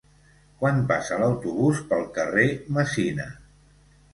Quan passa l'autobús pel carrer Messina?